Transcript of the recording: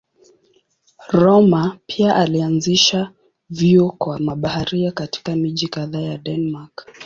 Rømer pia alianzisha vyuo kwa mabaharia katika miji kadhaa ya Denmark.